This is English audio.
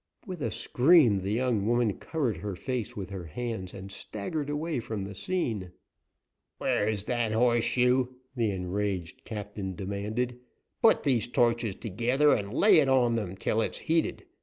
With a scream, the young woman covered her face with her hands and staggered away from the scene. "Where is that horseshoe?" the enraged captain demanded. "Put these torches together, and lay it on them till it is heated.